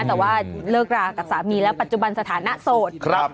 แต่ว่าเลิกรากับสามีแล้วปัจจุบันสถานะโสดครับ